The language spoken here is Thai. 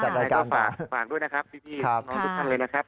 ฝากด้วยนะครับพี่น้องทุกคนเลยนะครับ